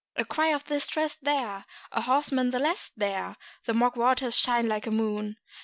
A cry of distress there! a horseman the less there! The mock waters shine like a moon!